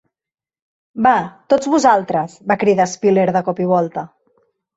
"Va, tots vosaltres", va cridar Spiller de cop i volta.